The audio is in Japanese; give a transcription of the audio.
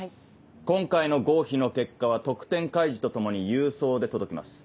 今回の合否の結果は得点開示とともに郵送で届きます。